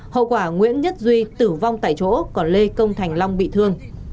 hậu quả nguyễn nhất duy tử vong tại chỗ còn lê công thành long bị thương